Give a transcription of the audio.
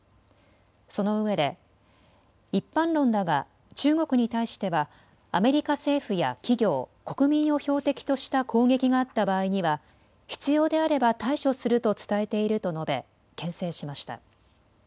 そのうえで一般論だが中国に対してはアメリカ政府や企業、国民を標的とした攻撃があった場合には必要であれば対処すると伝えていると述べけん制しました。